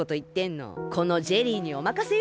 このジェリーにおまかせよ！